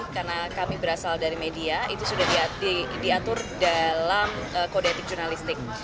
karena kami berasal dari media itu sudah diatur dalam kode etik jurnalistik